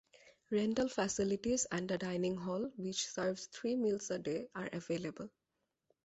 Rental facilities and a dining hall, which serves three meals a day, are available.